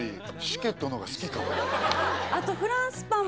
あと。